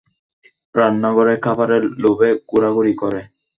রান্নাঘরে খাবারের লোভে ঘোরাঘুরি করে।